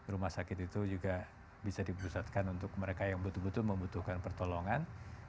rumah sakit itu juga bisa dipusatkan untuk mereka yang betul betul membutuhkan pertolongan